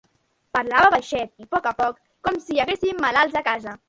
Parlava baixet i poc a poc com si hi haguessin malalts a casa